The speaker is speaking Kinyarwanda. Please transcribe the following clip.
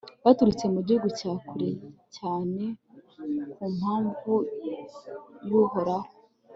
baturutse mu gihugu cya kure cyane ku mpamvu y'uhoraho